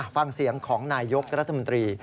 ฟังเสียงของนายยกรัฐมนตรี